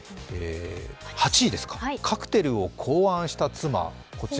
８位ですか、カクテルを考案した妻。